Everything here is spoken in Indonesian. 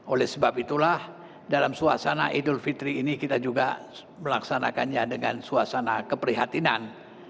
oleh sebab itulah dalam suasana idul fitri ini kita juga melaksanakannya dengan suasana keprihatinan